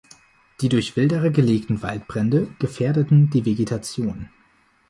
Die durch Wilderer gelegten Waldbrände gefährdeten die Vegetation.